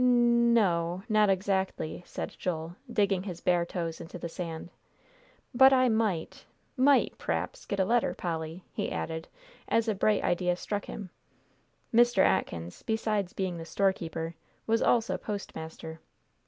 "N no not exactly," said Joel, digging his bare toes into the sand; "but I might might p'r'aps get a letter, Polly," he added, as a bright idea struck him. Mr. Atkins, besides being the storekeeper, was also postmaster.